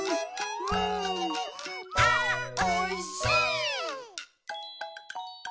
「あーおいしい」